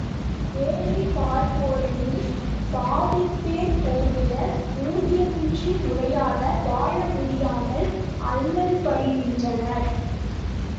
வேலை பார்ப்போரிலும் பாதிப்பேர் போதிய ஊதியமின்றி முறையாக வாழமுடியாமல் அல்லற்படுகின்றனர்!